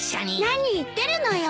何言ってるのよ！